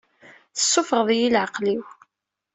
Tessuffɣeḍ-iyi i leɛqel-iw.